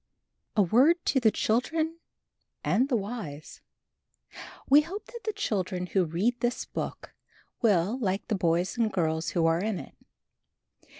A WORD TO THE CHILDREN AND THE WISE We hope that the children who read this book will like the boys and girls who are in it.